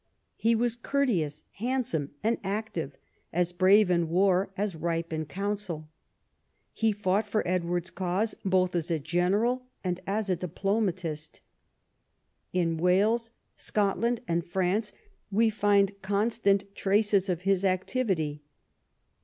He was courteous, handsome, and active, as brave in war as ripe in counsel. He fought for Edward's cause, both as a general and as a diplomatist. In Wales, Scotland, and France we find constant traces of his activity.